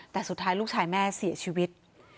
แต่สุดท้ายลูกชายแม่เสียชีวิต